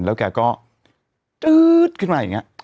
แล้วแกก็จื๊ดขึ้นมาอย่างนี้